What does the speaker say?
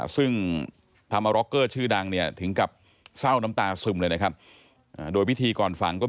ซึ่งทำมาล็อกเกอร์ชื่อดังเนี่ยถึงกับเศร้าน้ำตาซึมเลยนะครับ